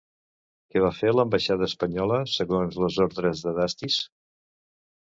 Què va fer l'ambaixada espanyola segons les ordres de Dastis?